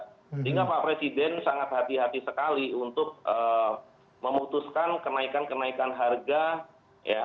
sehingga pak presiden sangat hati hati sekali untuk memutuskan kenaikan kenaikan harga